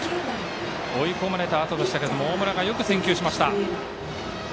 追い込まれたあとでしたけど大村がよく選球しました。